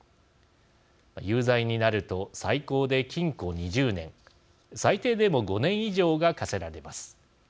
有罪になると最高で禁錮２０年最低でも５年以上が科せられます。